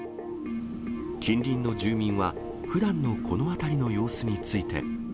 近隣の住民は、ふだんのこの辺りの様子について。